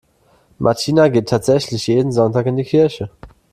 Martina geht tatsächlich jeden Sonntag in die Kirche.